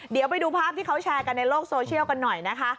เดี๋ยวไปดูภาพที่เขาแชร์กันในโลกโซเชียลกันหน่อยนะคะ